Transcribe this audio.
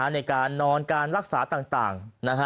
ในการนอนการรักษาต่าง